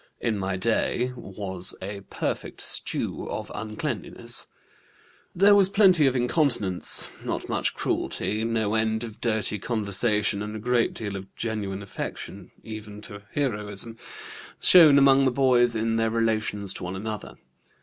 In my day was a perfect stew of uncleanness. There was plenty of incontinence, not much cruelty, no end of dirty conversation, and a great deal of genuine affection, even to heroism, shown among the boys in their relations to one another.